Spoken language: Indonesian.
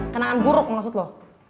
kenangan buruk maksud lo